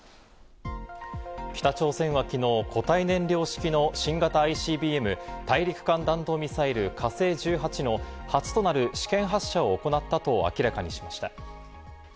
北朝鮮は昨日、固体燃料式の新型ＩＣＢＭ＝大陸間弾道ミサイル「火星１８」の初となる試験発射を行ったと明らかにしました。